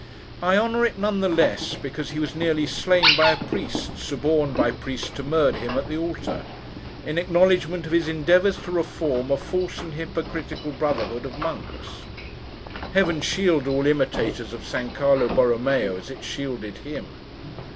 I honour it none the less, because he was nearly slain by a priest, suborned, by priests, to murder him at the altar: in acknowledgment of his endeavours to reform a false and hypocritical brotherhood of monks. Heaven shield all imitators of San Carlo Borromeo as it shielded him!